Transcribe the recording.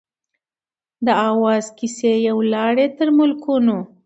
د آواز کیسې یې ولاړې تر ملکونو